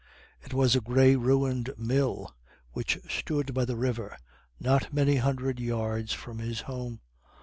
It was a grey ruined mill which stood by the river, not many hundred yards from his home.